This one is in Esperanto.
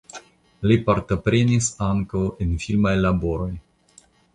Li partoprenis ankaŭ en filmaj laboroj.